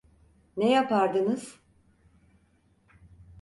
Ne yapardınız?